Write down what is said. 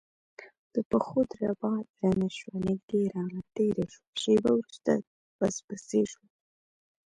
د پښو دربا درنه شوه نږدې راغله تیره شوه شېبه وروسته پسپسی شو،